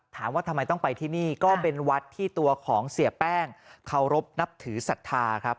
ถามว่าทำไมต้องไปที่นี่ก็เป็นวัดที่ตัวของเสียแป้งเคารพนับถือศรัทธาครับ